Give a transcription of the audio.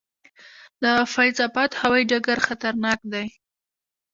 د فیض اباد هوايي ډګر خطرناک دی؟